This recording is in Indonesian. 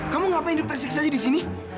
kamu ngapain dek terseksis di sini